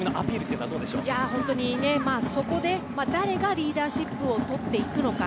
やはりそこで誰がリーダーシップをとっていくのか。